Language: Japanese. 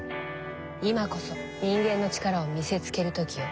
今こそ人間の力を見せつける時よ。